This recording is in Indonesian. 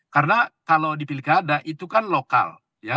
karena kalau di pilkada itu kan lokal